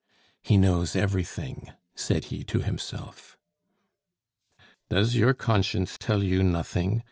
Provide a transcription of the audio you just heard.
"He knows everything!" said he to himself. "Does your conscience tell you nothing?"